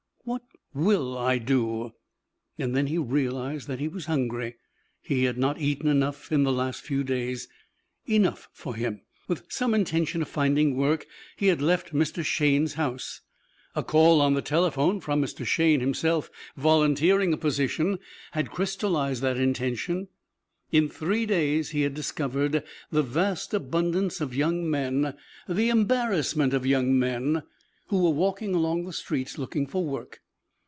What will I do?" Then he realized that he was hungry. He had not eaten enough in the last few days. Enough for him. With some intention of finding work he had left Mr. Shayne's house. A call on the telephone from Mr. Shayne himself volunteering a position had crystallized that intention. In three days he had discovered the vast abundance of young men, the embarrassment of young men, who were walking along the streets looking for work.